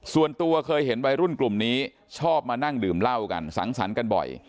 ส่วนตัวเคยเห็นวัยรุ่นกลุ่มนี้ชอบมานั่งดื่มเหล้ากันสังสรรค์กันบ่อย